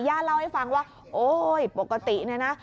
ย่าเล่าให้ฟังว่าโอ้โฮปกตินะ